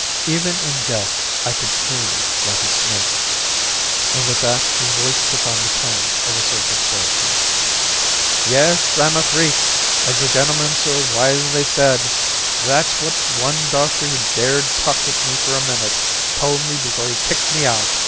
Even in death I could kill you, like a snake." And with that his voice took on the tones of a circus barker. "Yes, I'm a freak, as the gentleman so wisely said. That's what one doctor who dared talk with me for a minute told me before he kicked me out.